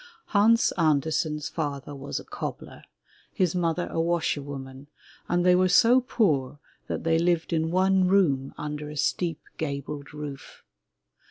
Hans Andersen's father was a cobbler, his mother a washerwoman, and they were so poor that they lived in one room under a steep gabled roof.